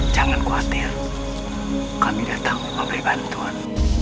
jangan khawatir kami datang memberi bantuan